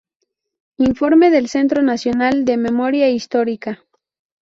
Informe del Centro Nacional de Memoria Histórica.